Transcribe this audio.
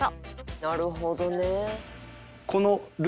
「なるほどね」